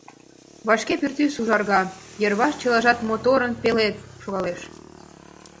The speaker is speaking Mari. Вашке пӱртӱс ужарга, йырваш чылажат моторын пелед шогалеш.